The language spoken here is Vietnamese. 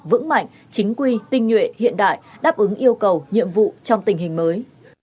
vững mạnh chính quy tinh nhuệ hiện đại đáp ứng yêu cầu nhiệm vụ trong tình hình mới